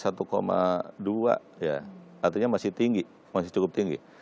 artinya masih tinggi masih cukup tinggi